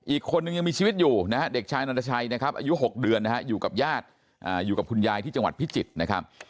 อีกคนนึงมีชีวิตอยู่นะเด็กชายนวรชัยอายุ๖เดือนอยู่กับคุณยายพิจิตร